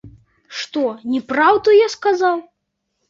Што, не праўду я сказаў?